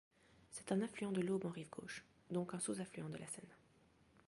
C'est un affluent de l'Aube en rive gauche, donc un sous-affluent de la Seine.